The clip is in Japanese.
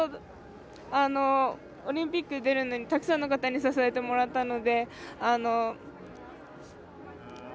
オリンピック出るのにたくさんの方に支えてもらったので。